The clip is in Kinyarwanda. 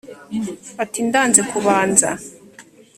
ati: ndanze kubanza